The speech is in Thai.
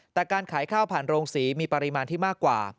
แต่การขายข้าวผ่านโรงสีมีปริมาณที่มากกว่า